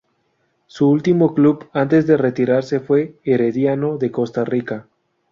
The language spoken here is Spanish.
Su último club antes de retirarse fue Herediano de Costa Rica.